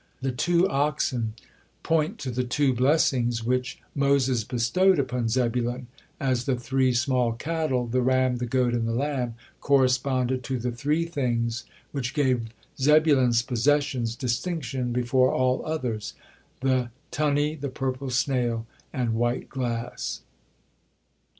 The tow oxen point to the two blessings which Moses bestowed upon Zebulun, as the three small cattle, the ram, the goat, and the lamb, corresponded to the three things which gave Zebulun's possessions distinction before all others, the tunny, the purple snail, and white glass.